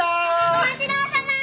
お待ちどおさま！